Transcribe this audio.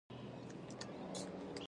راځئ توري او جملې په سم ډول ولیکو